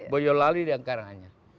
boyolali di angkarannya